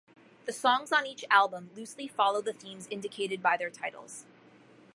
The songs on each album loosely follow the themes indicated by their titles.